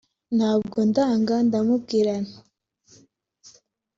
nabwo ndanga ndamubwira nti